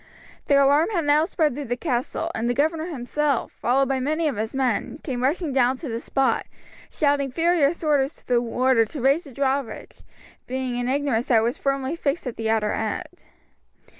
The alarm had now spread through the castle, and the governor himself, followed by many of his men, came rushing down to the spot, shouting furious orders to the warder to raise the drawbridge, being in ignorance that it was firmly fixed at the outer end.